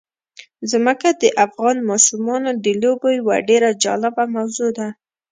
ځمکه د افغان ماشومانو د لوبو یوه ډېره جالبه موضوع ده.